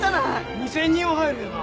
２，０００人は入るよな？